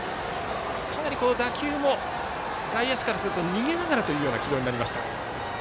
打球も外野手からすると逃げながらという軌道になりました。